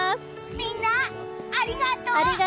みんなありがとう！